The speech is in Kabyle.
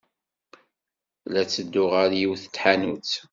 La ttedduɣ ɣer yiwet n tḥanut.